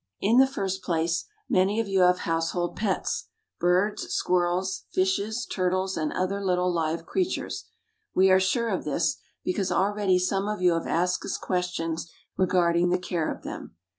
In the first place, many of you have household pets birds, squirrels, fishes, turtles, and other little live creatures. We are sure of this, because already some of you have asked us questions regarding the care of them.